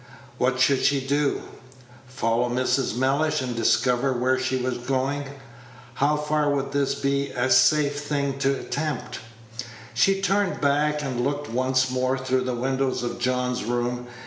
What should she do? Follow Mrs. Mellish, and discover where she was going? How far would this be a safe thing to attempt? She turned back and looked once more through the windows of John's room.